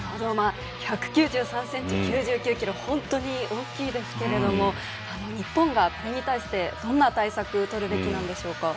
１９３ｃｍ、９９ｋｇ本当に大きいですけど日本がこれに対してどんな対策をとるべきなんでしょうか。